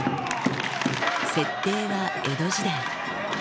設定は江戸時代。